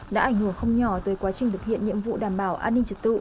đã ảnh hưởng không nhỏ tới quá trình thực hiện nhiệm vụ đảm bảo an ninh trật tự